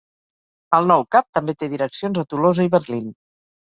El nou cap també té direccions a Tolosa i Berlín.